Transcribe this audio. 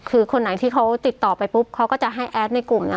คือคนไหนที่เขาติดต่อไปปุ๊บเขาก็จะให้แอดในกลุ่มน่ะ